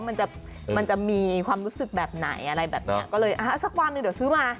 มันจะมันจะมีความรู้สึกแบบไหนอะไรแบบเนี้ยก็เลยอ่าสักวันหนึ่งเดี๋ยวซื้อมา